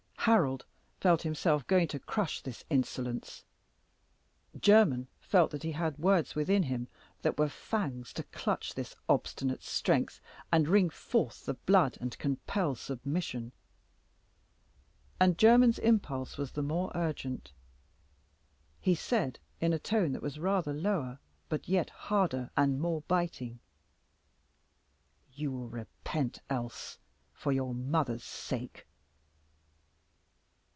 Harold felt himself going to crush this insolence: Jermyn felt that he had words within him that were fangs to clutch this obstinate strength, and wring forth the blood and compel submission. And Jermyn's impulse was the more urgent. He said, in a tone that was rather lower, but yet harder and more biting "You will repent else for your mother's sake."